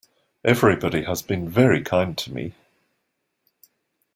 Everybody has been very kind to me.